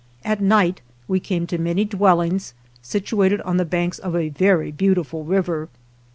At night we came to many dwellings, situated on the banks of a very beautiful river.